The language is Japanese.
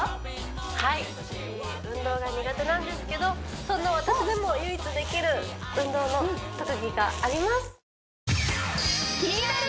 はい運動が苦手なんですけどそんな私でも唯一できる運動の特技があります！